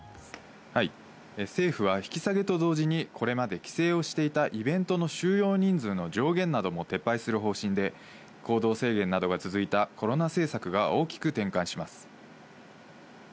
政府は引き下げと同時に、これまで規制をしていたイベントの収容人数の上限なども撤廃する方針で、行動制限などが続いたコロナ政策が大きく転換します。